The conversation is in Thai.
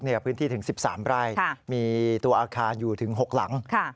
พื้นที่ถึง๑๓ไร่มีตัวอาคารอยู่ถึง๖หลัง